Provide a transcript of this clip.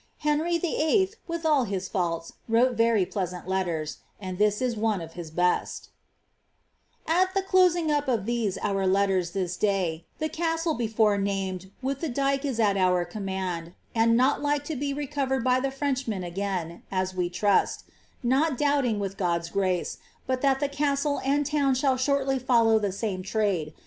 Heuy VIII., with all his faults, wrote very pleasant letters, and this is one ojf his best :—*' At the closing up of tliosc our letters this day, the castle before named with the dyke is at our command, and not like to be recovered by the Freuchmen again (as we trust), not doubting, witli Gocl's grace, but that the castle and towD shall shortly follow the same troilc.